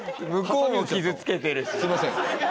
すいません。